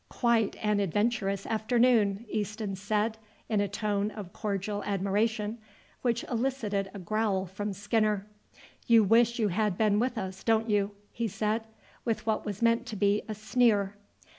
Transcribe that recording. "Quite an adventurous afternoon," Easton said in a tone of cordial admiration, which elicited a growl from Skinner. "You wish you had been with us, don't you?" he said, with what was meant to be a sneer.